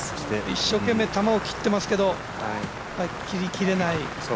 一生懸命、球を切ってますけど切りきれない。